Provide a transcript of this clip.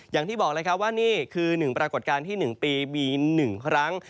อย่างที่บอกเลยครับว่านี่คือ๑ปรากฏการณ์ที่๑ปีมี๑ครั้ง